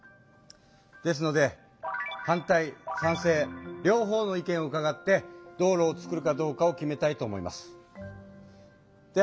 ですので反対賛成両方の意見をうかがって道路をつくるかどうかを決めたいと思います。